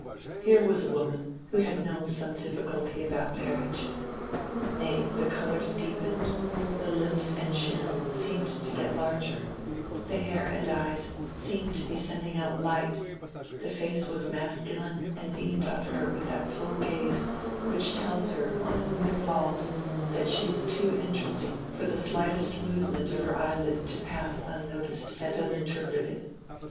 Here was a woman who had known some difficulty about marriage. Nay, the colors deepened, the lips and chin seemed to get larger, the hair and eyes seemed to be sending out light, the face was masculine and beamed on her with that full gaze which tells her on whom it falls that she is too interesting for the slightest movement of her eyelid to pass unnoticed and uninterpreted.